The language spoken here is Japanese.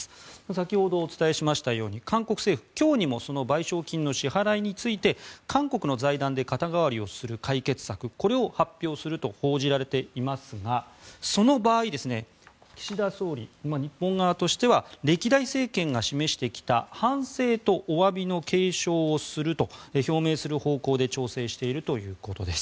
先ほどお伝えしましたように韓国政府は今日にも賠償金の支払いについて韓国の財団で肩代わりをする解決策を発表すると報じられていますがその場合岸田総理、日本側としては歴代政権が示してきた反省とおわびの継承をすると表明する方向で調整しているということです。